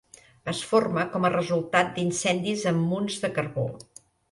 Es forma com a resultat d'incendis en munts de carbó.